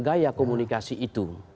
sebagai suatu komunikasi itu